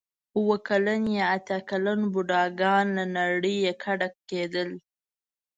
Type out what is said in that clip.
اوه کلن یا اتیا کلن بوډاګان له نړۍ کډه کېدل.